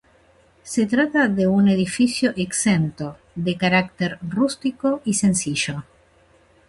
Se trata de un edificio exento, de carácter rústico y sencillo.